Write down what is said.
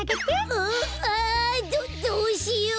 うっああどどうしよう！